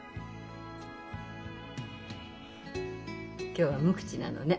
今日は無口なのね。